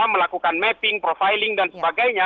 melakukan mapping profiling dan sebagainya